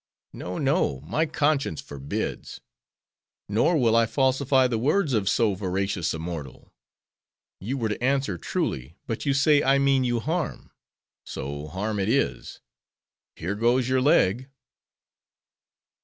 'No, no; my conscience forbids. Nor will I falsify the words of so veracious a mortal. You were to answer truly; but you say I mean you harm:—so harm it is:—here goes your leg.